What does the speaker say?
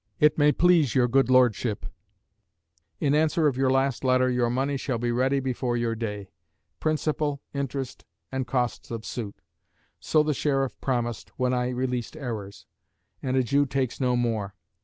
"IT MAY PLEASE YOUR GOOD LORDSHIP, In answer of your last letter, your money shall be ready before your day: principal, interest, and costs of suit. So the sheriff promised, when I released errors; and a Jew takes no more.